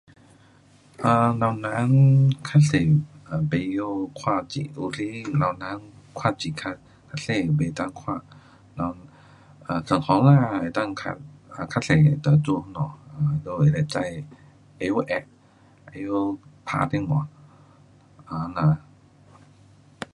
um 老人较多 um 甭晓看字，有时老人看字较，较小不能看，um 哒年轻的能够较，看较多，跟做什么，因此他会知，会晓按，会晓打电话。这样。